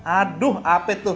aduh apet tuh